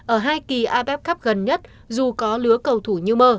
ở hai kỳ abaf cup gần nhất dù có lứa cầu thủ như mơ